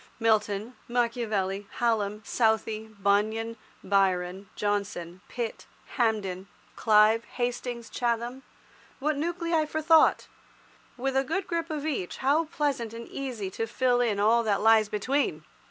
Milton, Machiavelli, Hallam, Southey, Bunyan, Byron, Johnson, Pitt, Hampden, Clive, Hastings, Chatham—what nuclei for thought! With a good grip of each how pleasant and easy to fill in all that lies between!